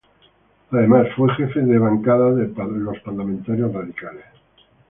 Además, fue jefe de Bancada de Parlamentarios Radicales.